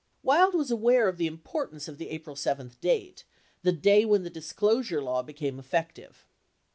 Wild was aware of the importance of the April 7 date, "the day when the disclosure law be came effective."